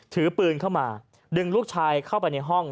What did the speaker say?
ถือปืนเข้ามาดึงลูกชายเข้าไปในห้อง